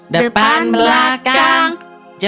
depan belakang jempol jari